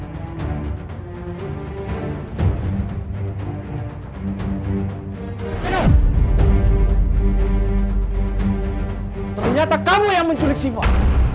ternyata kamu yang menculik sifat